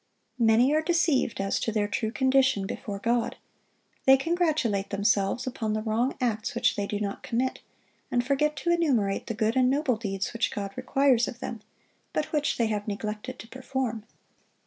Many are deceived as to their true condition before God. They congratulate themselves upon the wrong acts which they do not commit, and forget to enumerate the good and noble deeds which God requires of them, but which they have neglected to perform.